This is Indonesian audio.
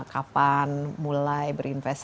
kapan mulai berinvestasi